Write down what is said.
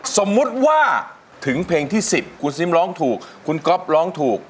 สมมุติว่าถึงเพลงที่๑๐คุณซิมร้องถูกคุณก๊อฟร้องถูก